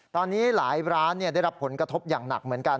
ตอนนี้หลายร้านได้รับผลกระทบอย่างหนักเหมือนกัน